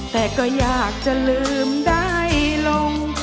แต่ก็อยากจะลืมได้ลง